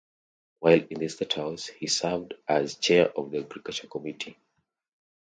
While in the state house, he served as chair of the Agriculture Committee.